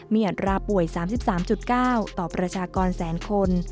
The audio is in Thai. มีอัตราป่วย๓๓๙ต่อประชากรแสนคน